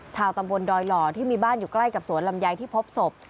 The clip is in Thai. ชาวตำบลดอยหล่อที่มีบ้านอยู่ใกล้กับสวนลำไยที่พบศพ